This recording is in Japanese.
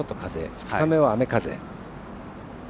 ２日目は雨風。